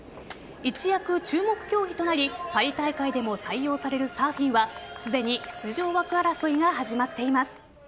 一躍、注目競技となりパリ大会でも採用されるサーフィンはすでに出場枠争いが始まっています。